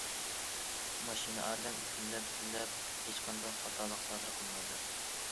ماشىنا ئادەم كۈنلەپ- كۈنلەپ ھېچقانداق خاتالىق سادىر قىلمايدۇ.